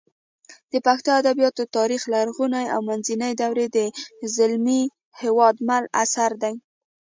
د پښتو ادبیاتو تاریخ لرغونې او منځنۍ دورې د زلمي هېوادمل اثر دی